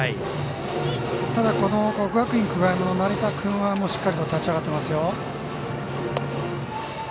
ただ、国学院久我山の成田君はしっかりと立ち上がってますよ。